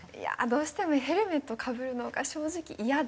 どうしてもヘルメットかぶるのが正直イヤで。